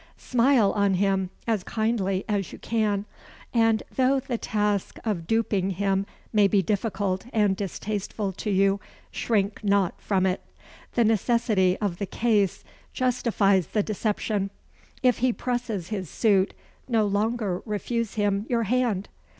Smile on him as kindly as you can; and though the task of duping him may be difficult and distasteful to you, shrink not from it. The necessity of the case justifies the deception. If he presses his suit, no longer refuse him your hand."